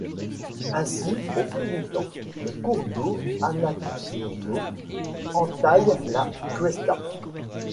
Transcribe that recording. Ainsi, au fil du temps, les cours d'eau anaclinaux entaillent la cuesta.